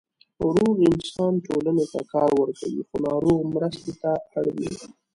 روغ انسان ټولنې ته کار ورکوي، خو ناروغ مرستې ته اړ وي.